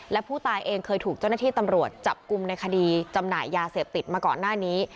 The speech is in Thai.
และผู้ตายเองเคยถูกเจ้าหน้าที่ตำรวจจับกลุ่มในคดีจำหน่ายยาเสพติดมาก่อนหน้านี้